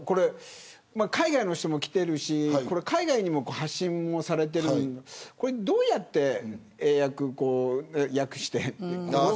海外の人も来ているし海外に発信もされていてどうやって訳して。